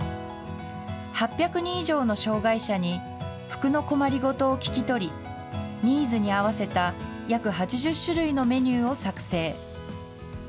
８００人以上の障害者に服の困りごとを聞き取り、ニーズに合わせた約８０種類のメニューを作成。